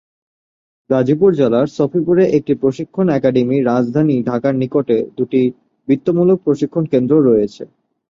গাজীপুর জেলার সফিপুরে একটি প্রশিক্ষণ একাডেমি, রাজধানী ঢাকার নিকটে দুটি বৃত্তিমূলক প্রশিক্ষণ কেন্দ্র রয়েছে।